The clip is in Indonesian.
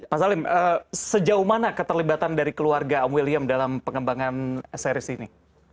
mas alim sejauh mana keterlibatan dari keluarga om william dalam pengembangan series ini